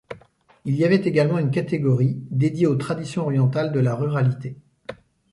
Il y avait également une catégorie dédiée aux traditions orientales de la ruralité.